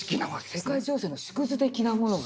世界情勢の縮図的なものが。